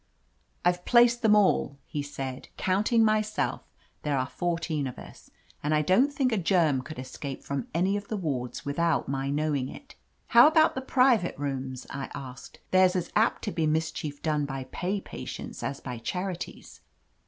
"I've placed them all," he said. "Counting myself, there are fourteen of us, and I don't think a germ could escape from any of the wards without my knowing it." "How about the private rooms?" I asked. "There's as apt to be mischief done by pay patients as by charities."